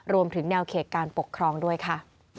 รวมถึงแนวเขตการปกครองด้วยค่ะ